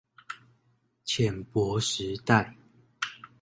淺薄時代